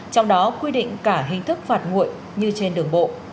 trong đó quy định cả hình thức phạt nguội như trên đường bộ